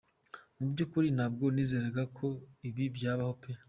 Mu byukuri ntabwo nizeraga koi bi byabaho pe.